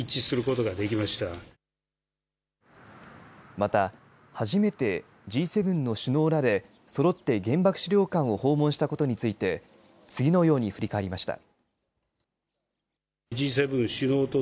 また、初めてＧ７の首脳らでそろって原爆資料館を訪問したことについて次のように振り返りました。